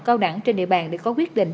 cao đẳng trên địa bàn để có quyết định